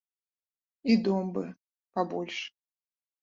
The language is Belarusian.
І дом б пабольш.